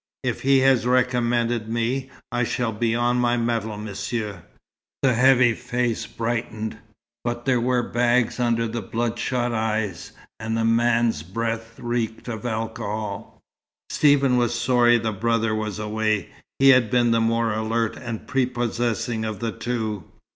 If he has recommended me, I shall be on my mettle, Monsieur." The heavy face brightened; but there were bags under the bloodshot eyes, and the man's breath reeked of alcohol. Stephen was sorry the brother was away. He had been the more alert and prepossessing of the two.